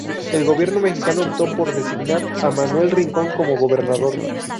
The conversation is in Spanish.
El gobierno mexicano optó por designar a Manuel Rincón como gobernador.